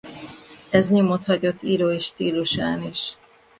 Ez nyomot hagyott írói stílusán is.